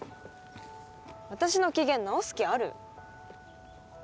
私の機嫌直す気ある？